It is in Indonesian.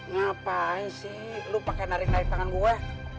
ngapain sih lu pake narik naik tangan gue